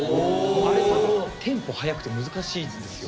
あれ多分テンポ速くて難しいですよ。